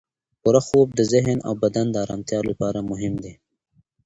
پوره خوب د ذهن او بدن د ارامتیا لپاره مهم دی.